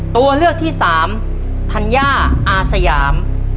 ตัวเลือกที่สามธัญญาอาสยาม